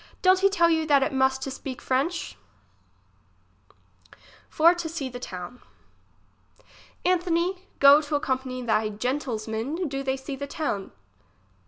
Don't he tell you that it must to speak f rench ? For to see the tovcn. Anthony, go to accompany they gentilsmen, do they see the town.